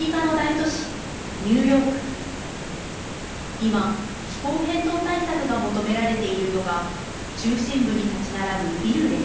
今、気候変動対策が求められているのが中心部に立ち並ぶビルです。